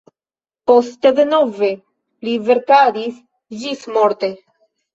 Poste denove li verkadis ĝismorte.